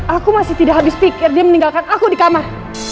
aku masih tidak habis pikir dia meninggalkan aku di kamar